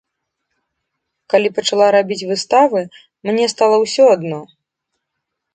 Калі пачала рабіць выставы, мне стала ўсё адно.